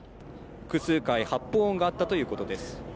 複数回、発砲音があったということです。